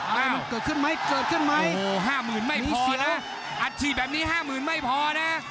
ไม่รู้เกิดขึ้นไหมเกิดขึ้นไหมโอ้ห้าหมื่นไม่มีเสียอัดฉีดแบบนี้ห้าหมื่นไม่พอนะ